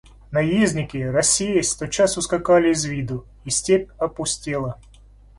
Наездники, рассеясь, тотчас ускакали из виду, и степь опустела.